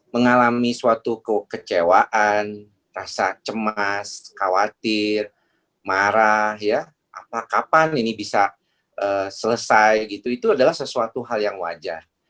mengalami suatu kekecewaan rasa cemas khawatir marah ya apa kapan ini bisa selesai gitu itu adalah sesuatu hal yang wajar